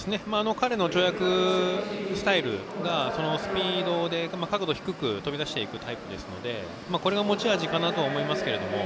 彼の跳躍スタイルがスピードで、角度低く飛び出していくタイプですのでこれが持ち味かなと思いますけれども。